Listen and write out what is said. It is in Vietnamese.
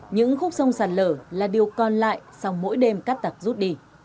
những khúc sông sàn lở là điều còn lại sau mỗi đêm cát tặc rút đi